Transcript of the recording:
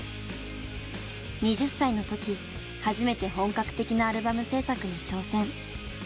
２０歳の時初めて本格的なアルバム制作に挑戦。